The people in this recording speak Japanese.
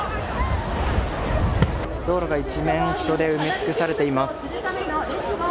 道路が一面人で埋め尽くされています。